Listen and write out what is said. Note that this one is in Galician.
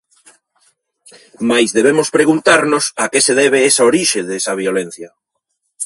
Mais debemos preguntarnos a que se debe esa orixe desa violencia.